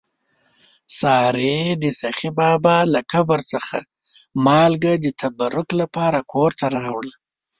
سارې د سخي بابا له قبر څخه مالګه د تبرک لپاره کور ته راوړله.